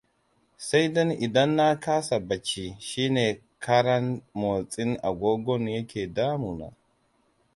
Sai dai idan na kasa bacci shine karan motsin agogon yake damu na.